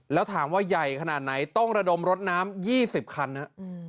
แล้วถามว่าใหญ่ขนาดไหนต้องระดมรถน้ำ๒๐คันครับ